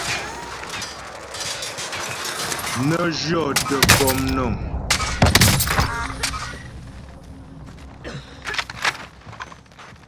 Nə jyɔ́tə pɔmnəŋ.